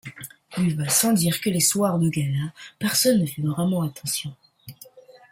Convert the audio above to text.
Il va sans dire que les soirs de gala, personne ne fait vraiment attention.